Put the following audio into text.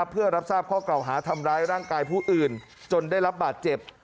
เพื่อรับทราบข้อเก่าหาทำร้ายร่างกายผู้อื่นจนได้รับบาดเจ็บ